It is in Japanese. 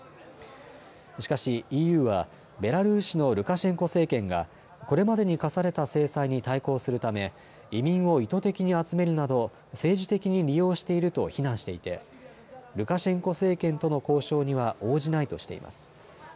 しかしＥＵはベラルーシのルカシェンコ政権がこれまでに科された制裁に対抗するため移民を意図的に集めるなど政治的に利用していると非難していてルカシェンコ政権との交渉には応じないとしています。